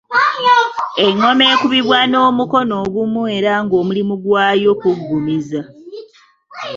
Engoma ekubibwa n’omukono ogumu era ng’omulimu gwayo kuggumiza.